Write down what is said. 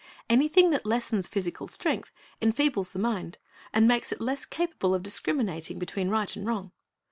Anything that lessens physical strength enfeebles the mind, and makes it less capable of discriminating between right and wrong.